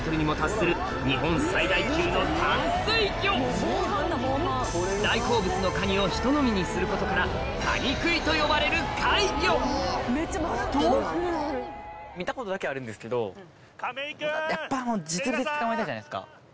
大好物のカニをひと飲みにすることからカニクイと呼ばれる怪魚と見たことだけあるんですけどやっぱ実物で捕まえたいじゃないですか。